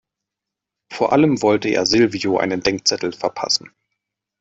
Vor allem wollte er Silvio einen Denkzettel verpassen.